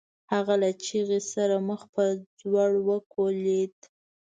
هغه له چيغې سره مخ په ځوړ وکوليد.